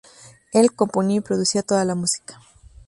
Él componía y producía toda la música.